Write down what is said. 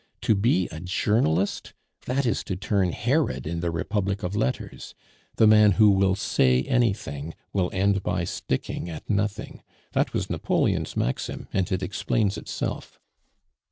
To be a journalist that is to turn Herod in the republic of letters. The man who will say anything will end by sticking at nothing. That was Napoleon's maxim, and it explains itself."